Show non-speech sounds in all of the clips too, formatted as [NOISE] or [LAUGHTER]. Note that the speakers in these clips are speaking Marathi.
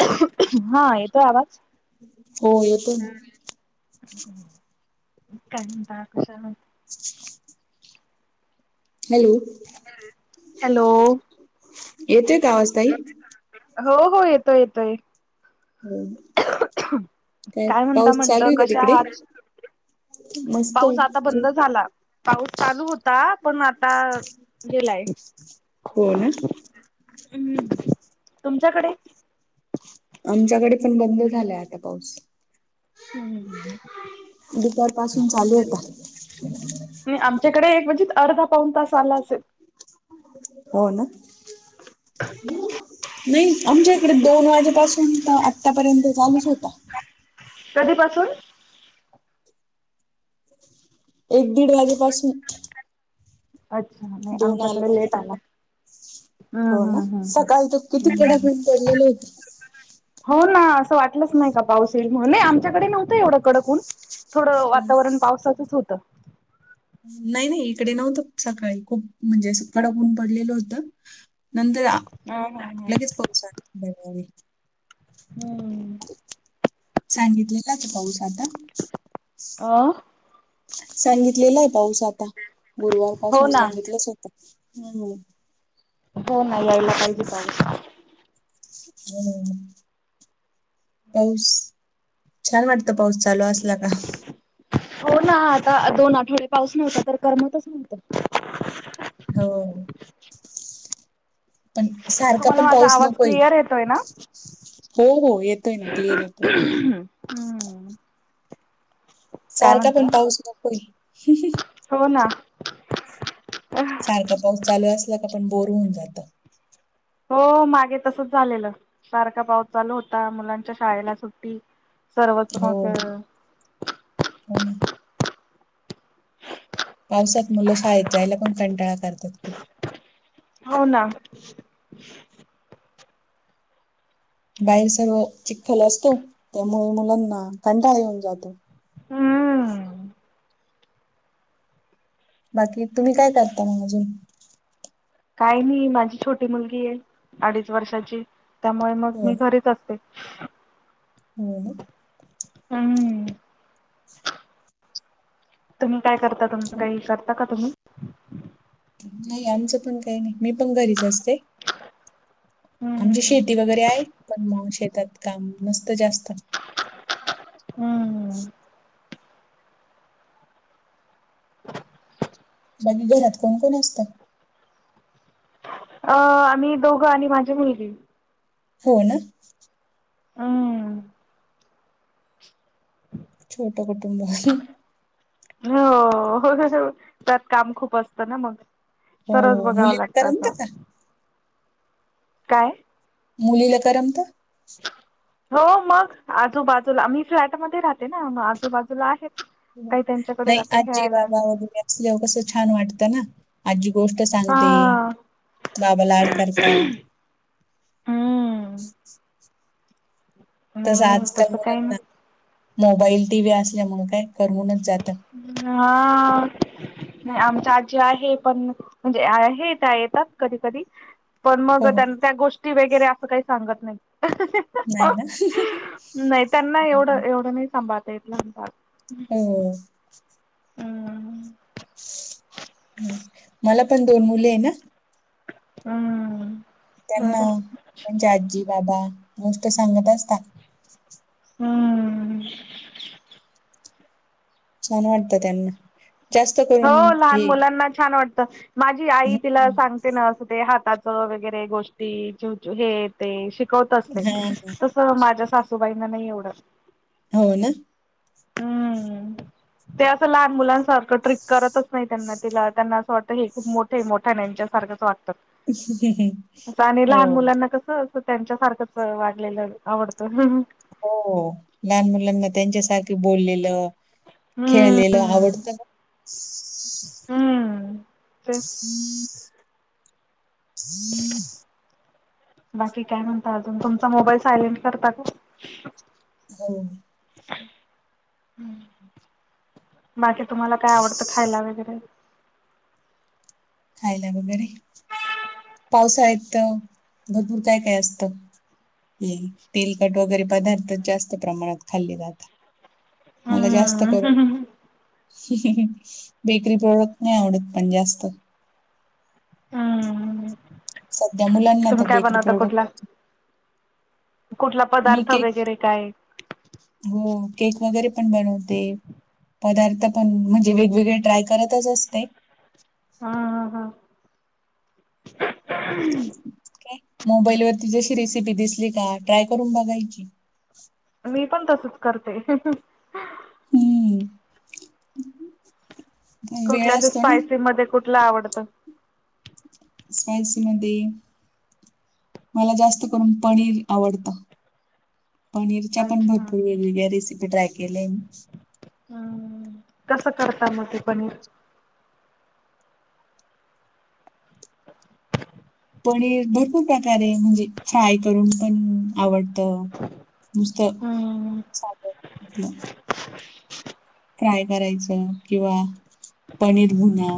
हा, येतोय आवाज. हो येतोय काय म्हणता, कशा आहात? हॅलो! हॅलो! येतोय का, आवाज ताई? हो हो, येतोय येतोय. हो काय म्हणता पाऊस चालू म्हटलं, आहे का कशा तिकडे? आहात? मस्त पाऊस आता आहे बंद झाला पाऊस चालू होता, पण आता गेलाय. हो ना. हम्म, तुमच्याकडे? आमच्याकडे पण बंद झालाय, आता पाऊस. ह ह. दुपार पासून चालू होता. आमच्याकडे एक म्हणजे अर्धा पाऊण तास आला असेल. हो ना. नाही, आमच्या इकडे दोन वाजेपासून तर आतापर्यंत चालुचं होता. कधीपासून? एक दीड वाजेपासून अच्छा! नाही, दोन आले आमच्याकडे माझ्या लेट आला. तोंडात. हम्म हो ना, हम्म हम्म सकाळी तर हम्म किती कडक हम्म ऊन पडलेले होते. हो ना, असं वाटलंच नाही का पाऊस येईल म्हणून आमच्याकडे नव्हतं एवढं कडक ऊन. थोडं हो ना. वातावरण पावसाचचं होत. नाही नाही, इकडे नव्हत सकाळी खूप म्हणजे कडक ऊन पडलेल होत. नंतर हा हा हा लगेच पाऊस आला. हम्म सांगितलं का ते पाऊस आलता. अ. सांगितलेला आहे, पाऊस आता गुरुवार हो पासून ना सांगितलंच होतं ह ह. हो ना, यायला पाहिजे पाऊस. [UNINTELLIGIBLE] पाऊस छान वाटते. आता पाऊस चालू असला का. हो ना, आता दोन आठवडे पाऊस नव्हता तर, करमतच नव्हत. हो, पण सारखा तुम्हाला पण माझा पाऊस आवाज नकोय. क्लिअर येतोय ना? हो हो, येतोय ना क्लिअर येतोय. हम्म काय सारखा म्हणता? पण पाऊस नकोय. हो ना. सारखा पाऊस चालू असला का, पण बोर होऊन जातं. हो, मागे तसचं झालेलं सारखा पाऊस चालू होता, मुलांच्या शाळेला सुट्टी सर्वच हो मग हो ना. पावसात मुलं शाळेत जायला, पण कंटाळा करतात खूप. हो ना. बाहेर सर्व चिखखल असतो, त्यामुळे मुलांना कंटाळा येऊन जातो. हम्म, बाकी तुम्ही काय करता मग अजून? काही नाही माझी छोटी मुलगी आहे, अडीच वर्षाची त्यामुळे मग हो मी घरीच असते. ह ह. हम्म, तुम्ही काय करता, तुमच छान. काही करता का तुम्ही? नाही आमचं पण काही नाही मी, पण घरीच असते. आमची हम्म शेती वगैरे आहे, पण मग शेतात काम नसतं जास्त. हम्म. [UNINTELLIGIBLE] बाकी घरात कोण कोण असतात? अ आम्ही दोघं आणि माझी मुलगी. हो ना. हम्म. छोट कुटुंब. हो हो त्यात काम खूप असतं ना, मग सर्वच हो बघाव मुलीला लागत करमतं असं. का काय? मुलीला करमत? हो, मग आजूबाजूला मी फ्लॅट मध्ये राहते ना, मग आजूबाजूला आहेत. काही त्यांच्याकडे नाही जाते आजी, खेळायला. बाबा वगैरे असल्यावर कसं छान वाटत ना. आजी गोष्ट हा सांगते, बाबा लाड करतात. हम्म [UNINTELLIGIBLE] तसं नाही आजकाल तसं काही मुलांना नाही. Mobile T. व्ही असल्यामुळे काय करमूनच जात. हा. नाही आमच्या आजी आहे, पण म्हणजे आहे त्या येतात कधी कधी. पण मग हो हो त्यांना त्या गोष्टी वगैरे, असं काही सांगत नाहीत. नाही ना नाही त्यांना एवढ एवढ नाही ना, सांभाळता येत ना बारी हम्म, हम्म, ह मला पण दोन मुले आहे ना. हम्म, त्यांना त्यांची आजी, बाबा गोष्ट सांगत असतात. हम्म, छान वाटत त्यांना. जास्त हो, करून लहान हे मुलांना छान वाटत. माझी हं. आई तिला सांगते ना, असं ते हाताचं वगैरे गोष्टी हे ते शिकवत असते, हां, हां. तसं माझ्या सासूबाईंना नाही एवढं हो ना. हम्म. [UNINTELLIGIBLE] ते असं लहान मुलांसारखं ट्रिक करतच नाही, त्यांना तिला त्यांना असं वाटतं हे खूप मोठे मोठ्या हेच्या सारखच वागतात, असं आणि लहान हो. मुलांना कसं त्यांच्यासारखंच वाडलेलं आवडतं. [UNINTELLIGIBLE] हो, लहान मुलांना, त्यांच्यासारखे बोललेलं हम्म खेळलेलं आवडतं न. हम्म तेच. [UNINTELLIGIBLE] [UNINTELLIGIBLE] बाकी काय म्हणता अजून? तुमचा मोबाईल सायलेंट करता का? हो. [UNINTELLIGIBLE] तुम्हाला काय आवडतं? खायला वगैरे. खायला वगैरे. पावसाळ्यात, भरपूर काय- काय असतं. तेल, तेलकट वगैरे पदार्थ जास्त प्रमाणात खाल्ले जाता. मला जास्त हम्म करू [UNINTELLIGIBLE] बेकरी प्रॉडक्ट नाही आवडत पण जास्त. हम्म. त्या मुलांना आता तुम्ही काय बेकरी बनवता कुठला प्रॉडक्ट कुठला पदार्थ केक वगैरे काय? हो, केक वगैरे पण बनवते. पदार्थ पण म्हणजे, वेगवेगळे ट्राय करतच असते. हा, हा. [UNINTELLIGIBLE] मोबाईल वरती, जशी रेसिपी दिसली का? ट्राय करून बघायची. मी पण तसच करते. [UNINTELLIGIBLE] हम्म पण वेळ कुठल्या असं असतो ना स्पायसी मध्ये, कुठलं आवडतं? स्पयसीमधी मला जास्त करून, पनीर आवडतं. पनीरच्या पण अच्छा. भरपूर वेगवेगळ्या रेसिपी, ट्राय केल्या मी. हम्. कसं करता मग ते पनीर? पनीर भरपूर प्रकारे, म्हणजे फ्राय करून पण आवड त. नुसतं हम्म. [UNINTELLIGIBLE] फ्राय करायचं. किंवा पनीर भुना.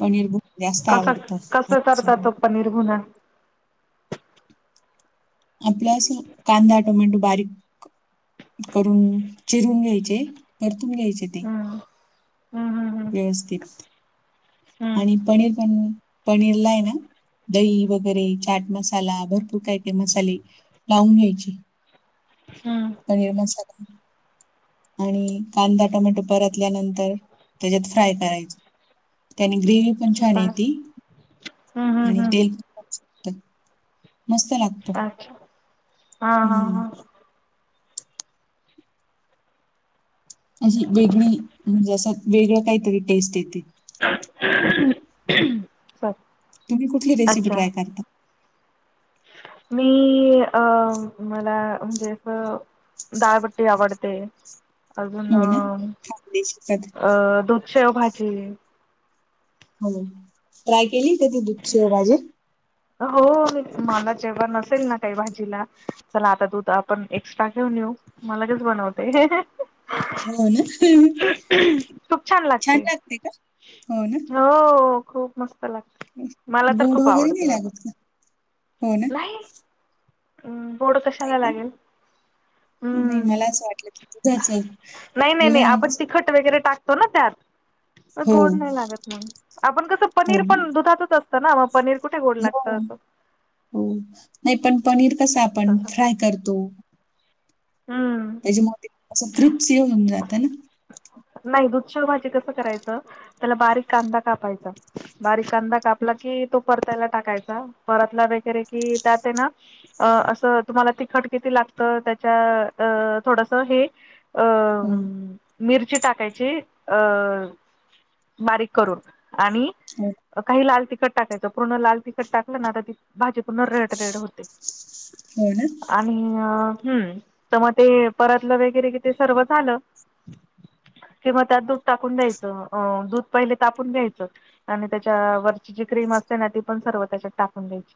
पनीर भ जास्त कसं आवडत. कसं करता तो [UNINTELLIGIBLE] पनीर भुना. आपला अस, कांदा, टोमॅटो बारीक करून, चिरून घ्यायचे. परतून घ्यायचे ते. हम्म. हम्म हम्म व्यवस्थित. हम्म. आणि पनीर पण, पनीरलाय ना दही वगैरे, चाट मसाला, भरपूर काय ते मसाले. लावून घ्यायचे. हम्म. पनीर मसाला आणि कांदा- टोमॅटो परतल्यानंतर, त्याच्यात फ्राय करायच. त्याने ग्रेवी पण हम्म छान बर येती. हम्म हम्म आणि हम्म तेल [UNINTELLIGIBLE] छान सुटतं. मस्त लागतो. अच्छा हा हा हम्म. हा. अशी वेगळी, म्हणजे असं, वेगळं काहीतरी टेस्ट येते. [UNINTELLIGIBLE] तुम्ही कुठली रेसिपी अच्छा ट्राय करता? मी, अ मला म्हणजे, असं दाळबट्टी आवडते. अजून हो अ, ना खानदेशी पद अ दुधशेव भाजी. ह, ट्राय केली कधी? दूधशेव भाजी. हो. मी मला जेव्हा नसेल ना काही भाजीला. चला, आता दूध आपण एक्स्ट्रा घेऊन येऊ. म लगेच बनवते. [UNINTELLIGIBLE] हो, ना. [UNINTELLIGIBLE] छान लागते का? हो, न. हो खूप मस्त वा गोड वगैरे नाही लागत का? हो ना नाही! गोड नाही कशाला का लागेल? नाही मला हम्म असं वाटलं दुधाच नाही नाही नाही दुधाने आपण कस तिखट वगैरे टाकतो ना त्यात मग हो गोड नाही लागत. आपण कसं हो पनीर ना पण दुधातच असतं ना मग पनीर कुठे गोड लागतं हो असं. हो नाही पण पनीर कसा आपण तसं फ्राय करतो. हम्म! त्याच्या मूळ ते असं त्रिप्स ये होऊन जात ना. नाही दुध्च भाजी कसं करायचं त्याला बारीक कांदा कापायचा बारीक कांदा हो कापला कि तो परतायला टाकायचा परतला वगैरे कि त्यात आहे ना अ असं तुम्हाला तिखट किती लागतं त्याच्या अ थोडस हे अ हो मिरची टाकायची अ बारीक करून आणि हो काही लाल तिखट टाकायचं पूर्ण लाल तिखट टाकलं ना आता ती भाजी पूर्ण रेड रेड होते. हो ना? आणि हम् तर मग ते परतलं वगैरे कि ते सर्व झालं. किंवा त्यात दूध टाकून द्यायचं अ दूध पहिले तापून घ्यायचं. आणि त्याच्या वरची जी क्रीम असते ना ती पण सर्व त्याच्यात टाकून द्यायची.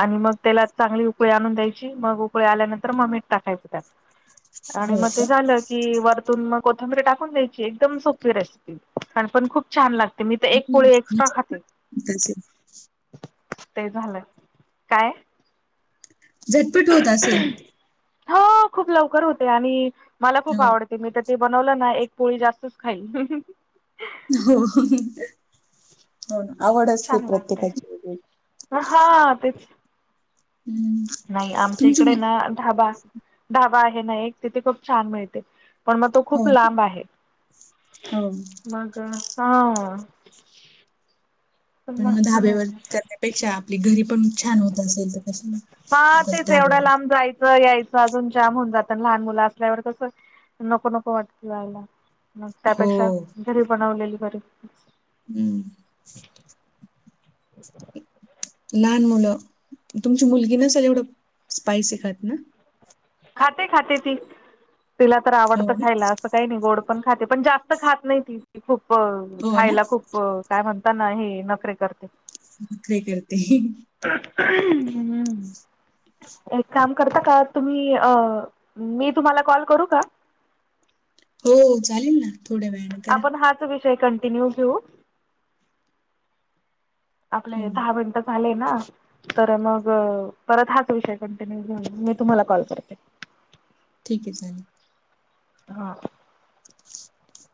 आणि मग त्याला चांगली उकळी आणून द्यायची मग उकळी आल्यानंतर मग मीठ टाकायचं त्यात. आणि हो मग का ते की वरतून मग कोथंबीरी टाकून द्यायची एकदम सोपी रेसिपी आणि पण खूप छान लागते. ते मी तर एक हम्म. पोळी एक्स्ट्रा खाते. झटपट होत असेल ते झालंय काय? झटपट होत असेल? हा खूप लवकर होते आणि मला खूप हो आवडते! ते मी तर ते बनवलं ना एक पोळी जास्तच खाईल. हो हो आवड असते छान लागतय प्रत्येकाची. वेगळी. हा तेच! हम्म! नाही आमच्या तुमची इकडे मु- ना ढाबा ढाबा आहे ना एक तिथे खूप छान मिळते. पण मग तो खूप हो ना. लांब आहे हो मग हा! पण मग मस्त धाब्यावर मिळते करण्यापेक्षा आपली घरी पण छान होत असेल तर कशाला हा ना तेच एवढ्या ढाब्यावरती. लांब जायचं यायचं अजून जाम होऊन जात आणि लहान मुलं असल्यावर कसं नको नको वाटत जायला. मग हो त्यापेक्षा घरी बनवलेली बर. हम् लहान मुलं, तुमची मुलगी ना झाल एवढं स्पायसी खात ना? खाते खाते ती तिला तर आवडत हो ना खायला अस काही नाही गोड पण खाते पण जास्त खात नाही त खूप हो ना खायला खूप काय म्हणताना ह नखरे करते. नखरे करते! ह एक काम करता का तुम्ही अ मी तुम्हाला कॉल करू का? हो चालेल ना थोड्या वेळाने! करा आपण हाच विषय कंटिन्यू घेऊ? आपले हो दहा मिनिट झाले ना तर मग परत हाच विषय कंटिन्यू घेऊन मी तुम्हाला कॉल करते. ठीक आहे चालेल. हा. [UNINTELLIGIBLE]